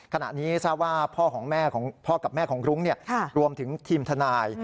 ขณะนี้ทราบว่าพ่อกับแม่ของลุ้งรวมถึงทีมทนาย